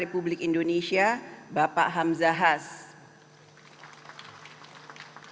republik indonesia bapak yusuf kalla yang terhormat wakil presiden ke sebelas republik indonesia bapak